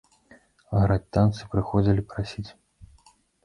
Граць танцы прыходзілі прасіць.